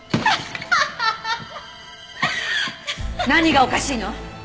何がおかしいの！？